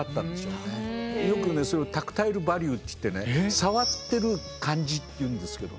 よくねそういうのタクタイルバリューっていってね触ってる感じというんですけども。